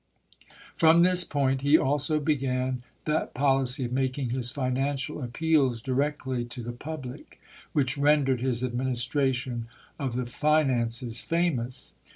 From this point he also began that policy of making his financial appeals directly to the public which rendered his administration of the finances famous.